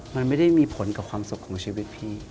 มันไม่ได้มีผลกับความสุขของชีวิตพี่